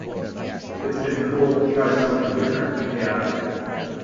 It's been cool to try something different and chaotic.